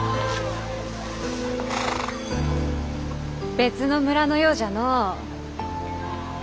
別の村のようじゃの。